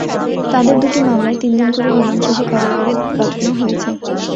তাঁদের দুটি মামলায় তিন দিন করে রিমান্ড শেষে কারাগারে পাঠানো হয়েছে।